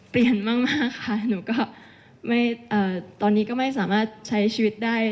เปลี่ยนมากค่ะหนูก็ตอนนี้ก็ไม่สามารถใช้ชีวิตได้